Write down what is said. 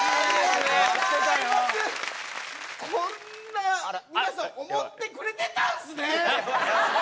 こんな皆さん思ってくれてたんですね！